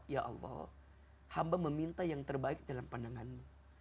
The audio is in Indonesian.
ya allah hamba meminta yang terbaik dalam pandanganmu